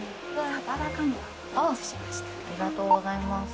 ありがとうございます。